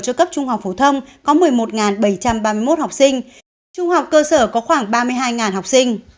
cho cấp trung học phổ thông có một mươi một bảy trăm ba mươi một học sinh trung học cơ sở có khoảng ba mươi hai học sinh